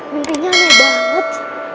mimpinya aneh banget